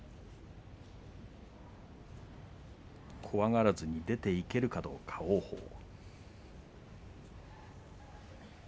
怖がらずに出ていけるかどうか王鵬。